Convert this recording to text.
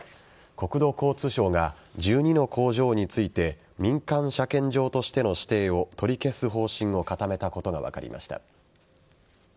国土交通省が１２の工場について民間車検場としての指定を取り消す方針を固めたことが分かりました。